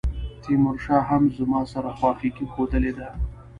تیمورشاه هم زما سره خواخوږي ښودلې ده.